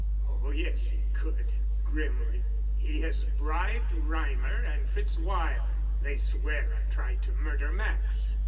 "Oh, yes, he could," grimly. "He has bribed Reimer and Fritz Weyl. They swear I tried to murder Max."